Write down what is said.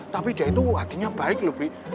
tapi dia itu hatinya baik loh bi